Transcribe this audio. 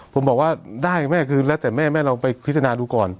ผมบอกว่าได้แม่คือแล้วแต่แม่แม่ลองไปพิจารณาดูก่อน